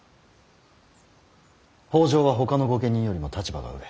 北条はほかの御家人よりも立場が上。